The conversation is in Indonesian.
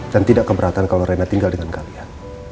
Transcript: dan tidak keberatan kalau rena tinggal dengan kalian